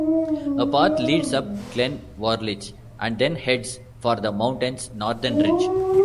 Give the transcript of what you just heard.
A path leads up Glen Vorlich, and then heads for the mountain's northern ridge.